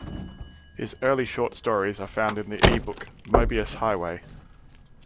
His early short stories are found in the ebook "Mobius Highway".